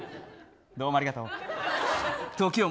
どうもありがとう。